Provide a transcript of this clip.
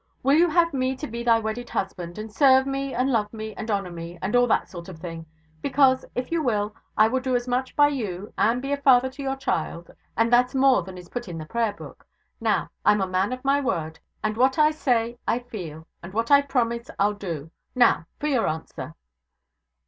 Will you have me to be thy wedded husband, and serve me, and love me, and honour me, and all that sort of thing? Because, if you will, I will do as much by you, and be a father to your child and that's more than is put in the prayer book. Now, I'm a man of my word; and what I say, I feel; and what I promise, I'll do. Now, for your answer!'